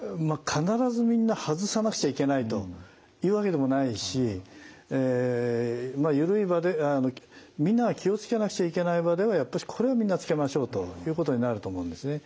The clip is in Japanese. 必ずみんな外さなくちゃいけないというわけでもないし緩い場でみんなが気をつけなくちゃいけない場ではやっぱしこれはみんなつけましょうということになると思うんですね。